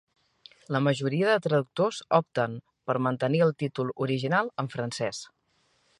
La majoria de traductors opten per mantenir el títol original en francès.